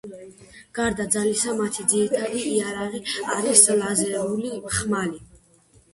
გარდა ძალისა, მათი ძირითადი იარაღი არის ლაზერული ხმალი.